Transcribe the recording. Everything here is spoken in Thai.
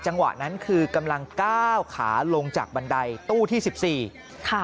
จังหวะนั้นคือกำลังก้าวขาลงจากบันไดตู้ที่สิบสี่ค่ะ